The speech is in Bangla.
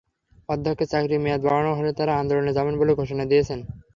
অধ্যক্ষের চাকরির মেয়াদ বাড়ানো হলে তাঁরা আন্দোলনে যাবেন বলে ঘোষণা দিয়েছেন।